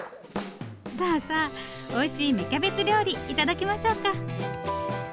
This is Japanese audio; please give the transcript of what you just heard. さあさあおいしい芽キャベツ料理頂きましょうか。